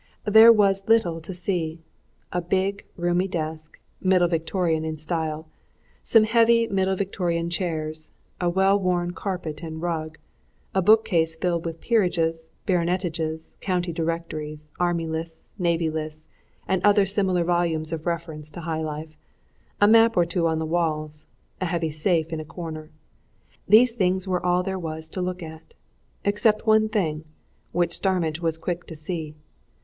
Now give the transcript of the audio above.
There was little to see. A big, roomy desk, middle Victorian in style, some heavy middle Victorian chairs, a well worn carpet and rug, a book case filled with peerages, baronetages, county directories, Army lists, Navy lists, and other similar volumes of reference to high life, a map or two on the walls, a heavy safe in a corner these things were all there was to look at. Except one thing which Starmidge was quick to see.